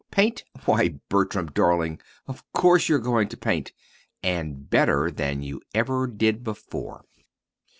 Paint? Why, Bertram, darling, of course you're going to paint, and better than you ever did before!"